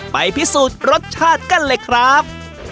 ไปพิสูจน์รสชาติกันเลยครับ